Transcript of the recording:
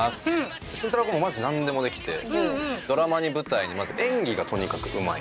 慎太郎君もマジなんでもできてドラマに舞台にまず演技がとにかくうまい。